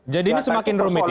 jadi ini semakin rumit ya